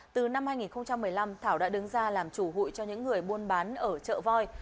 từ năm hai nghìn một mươi năm thảo đã đứng ra làm chủ hụi cho những người buôn bán ở chợ voi